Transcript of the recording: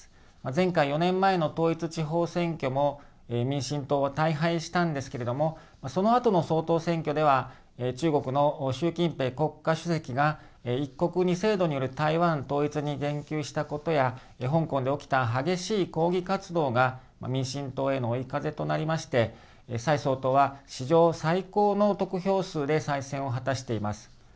前回・４年前の統一地方選挙も民進党は大敗したんですけれども、そのあとの総統選挙では、中国の習近平国家主席が一国二制度による台湾統一に言及したことや、香港で起きた激しい抗議活動が民進党への追い風となりまして、蔡総統は史上最高の得票数で再選を果たしています。